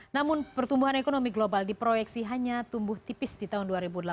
namun pertumbuhan ekonomi global diproyeksi hanya tumbuh tipis di tahun dua ribu delapan belas